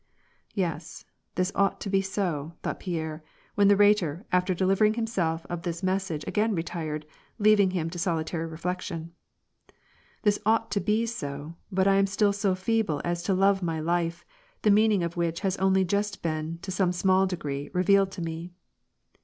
" Yes, this ought to be so," thought Pierre, when the Rhe tor, after delivering himself of this message, again retired, leaving him to solitary reflection. " This ought to be so, but I am still so feeble as to love my life, the meaning of which has only just been, to some small degree, revealed to me."